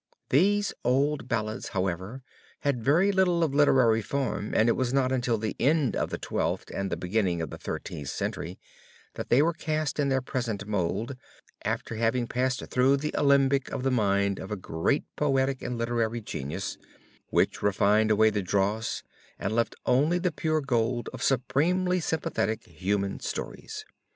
These old ballads, however, had very little of literary form and it was not until the end of the Twelfth and the beginning of the Thirteenth Century that they were cast in their present mold, after having passed through the alembic of the mind of a great poetic and literary genius, which refined away the dross and left only the pure gold of supremely sympathetic human stories.